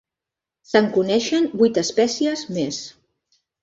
Se'n coneixen vuit espècies més.